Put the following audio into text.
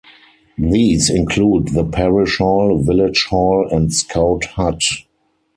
These include the parish hall, village hall and scout hut.